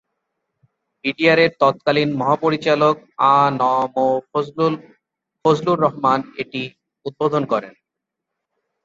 বিডিআর-এর তৎকালীন মহাপরিচালক আ ন ম ফজলুর রহমান এটি উদ্বোধন করেন।